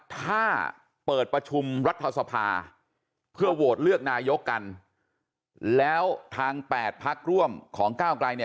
ถ้าเปิดประชุมรัฐสภาเพื่อโหวตเลือกนายกกันแล้วทาง๘พักร่วมของก้าวไกลเนี่ย